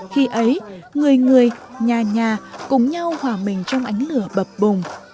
khi ấy người người nhà nhà cùng nhau hòa mình trong ánh lửa bập bùng